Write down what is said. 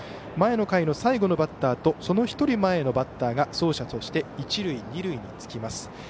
前の回の最後のバッターとその１人前のバッターが走者として一塁二塁につきます。